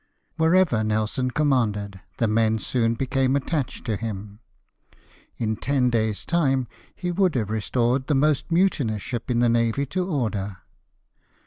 Wherever Nelson commanded, the men soon became attached to him — in ten days' time he would have restored the most mutinous ship in the navy to order.